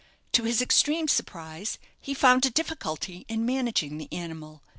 To his extreme surprise he found a difficulty in managing the animal.